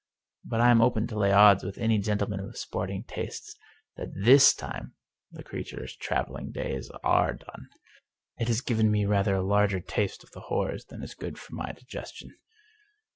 But I am open to lay odds with any gentleman of sporting tastes that this time the creature's traveling days are done. It has given me rather a larger taste of the horrors than is good for my digestion."